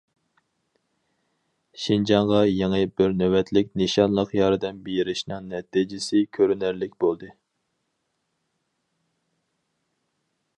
شىنجاڭغا يېڭى بىر نۆۋەتلىك نىشانلىق ياردەم بېرىشنىڭ نەتىجىسى كۆرۈنەرلىك بولدى.